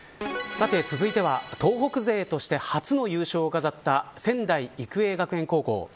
さて続いては東北勢として初の優勝を飾った仙台育英学園高校。